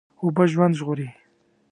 اوبه ژوند ژغوري.